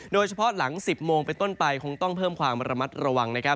โดยเฉพาะหลัง๑๐โมงไปต้นไปคงต้องเพิ่มความระมัดระวัง